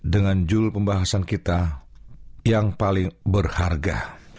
dengan jul pembahasan kita yang paling berharga